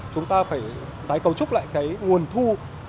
chúng ta phải tái cầu trúc lại nguồn thu